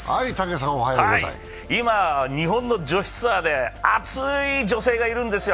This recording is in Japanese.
今、日本の女子ツアーで熱い女性がいるんですよ。